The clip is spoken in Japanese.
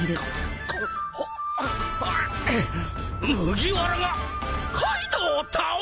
麦わらがカイドウを倒したぁ！？